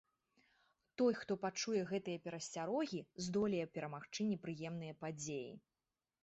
Той, хто пачуе гэтыя перасцярогі, здолее перамагчы непрыемныя падзеі.